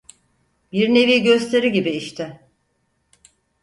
Bir nevi gösteri gibi işte.